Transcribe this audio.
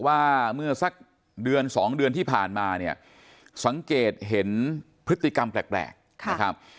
ว่าเมื่อสักเดือนสองเดือนที่ผ่านมาเนี่ยสังเกตเห็นพฤติกรรมแปลกนะครับ